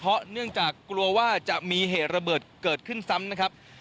เพราะเนื่องจากกลัวว่าจะมีเหตุระเบิดเกิดขึ้นซ้ำนะครับ